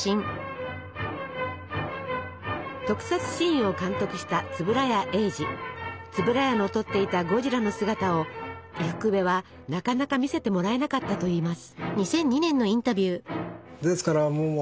特撮シーンを監督した円谷の撮っていたゴジラの姿を伊福部はなかなか見せてもらえなかったといいます。